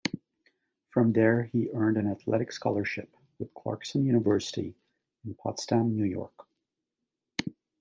From there, he earned an athletic scholarship with Clarkson University in Potsdam, New York.